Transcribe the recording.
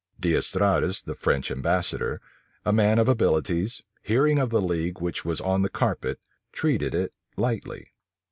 D'Estrades, the French ambassador, a man of abilities, hearing of the league which was on the carpet, treated it lightly.